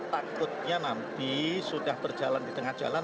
takutnya nanti sudah berjalan di tengah jalan